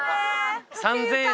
３０００円！？